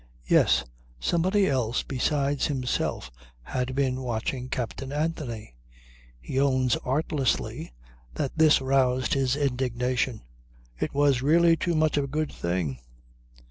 Yes! Somebody else besides himself had been watching Captain Anthony. He owns artlessly that this roused his indignation. It was really too much of a good thing.